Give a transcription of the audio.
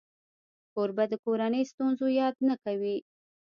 کوربه د کورنۍ ستونزو یاد نه کوي.